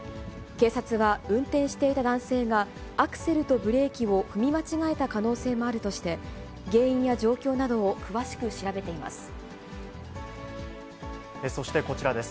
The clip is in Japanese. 警察は運転していた男性が、アクセルとブレーキを踏み間違えた可能性もあるとして、原因や状そしてこちらです。